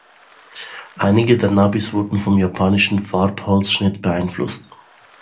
Einige der Nabis wurden vom japanischen Farbholzschnitt beeinflusst.